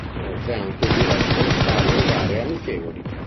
Inoltre, ha anche diretto varie gare amichevoli.